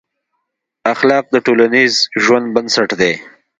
اخلاق د ټولنیز ژوند بنسټ دي.